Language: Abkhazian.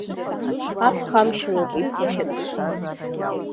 Аԥхамшьароуп иԥхашьатәу!